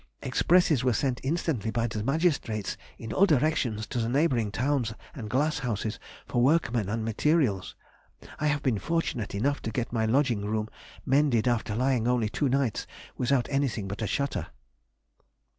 Expresses were sent instantly by the magistrates in all directions to the neighbouring towns and glass houses for workmen and materials. I have been fortunate enough to get my lodging room mended after lying only two nights without anything but a shutter.